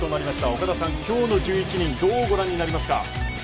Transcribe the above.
岡田さん、今日の１１人どうご覧になりますか。